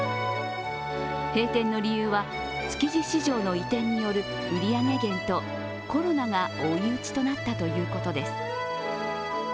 閉店の理由は築地市場の移転による売り上げ減とコロナが追い打ちとなったということです。